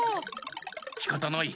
しかたない。